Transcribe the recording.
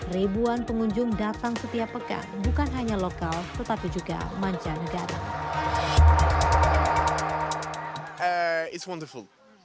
ribuan pengunjung datang setiap pekan bukan hanya lokal tetapi juga mancanegara